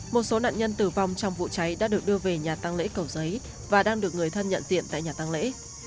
một số nạn nhân tử vong trong vụ cháy đã được đưa về nhà tăng lễ cầu giấy và đang được người thân nhận diện tại nhà tăng lễ